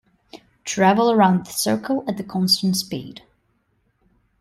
Travel around the circle at a constant speed.